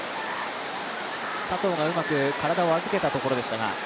佐藤がうまく体を預けたところでしたが。